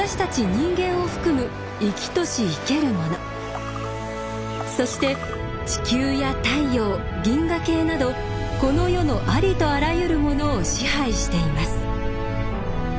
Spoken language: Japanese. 人間を含む生きとし生けるものそして地球や太陽銀河系などこの世のありとあらゆるものを支配しています。